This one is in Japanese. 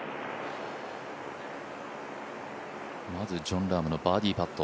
まずジョン・ラームのバーディーパット。